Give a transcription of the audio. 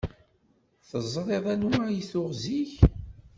Teẓriḍ anwa i t-tuɣ zik?